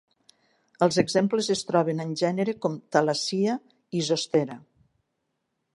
Els exemples es troben en gènere com "Thalassia" i "Zostera".